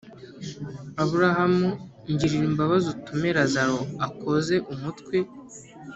Aburahamu ngirira imbabazi utume Lazaro akoze umutwe